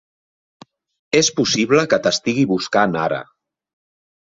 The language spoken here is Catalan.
És possible que t'estigui buscant ara.